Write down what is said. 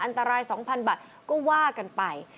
อันตราย๒๐๐บาทก็ว่ากันไป